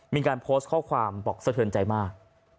มีการโพสต์ข้อความบอกสะเทือนใจมาก